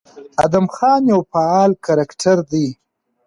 ادم خان يو فعال کرکټر دى،